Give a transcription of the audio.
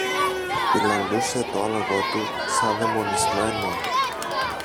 Πιλαλούσε το άλογο του σα δαιμονισμένο.